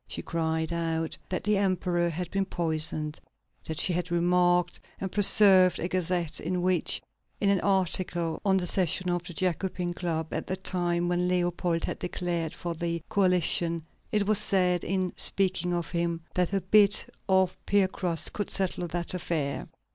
She cried out that the Emperor had been poisoned; that she had remarked and preserved a gazette in which, in an article on the session of the Jacobin Club at the time when Leopold had declared for the Coalition, it was said, in speaking of him, that a bit of piecrust could settle that affair.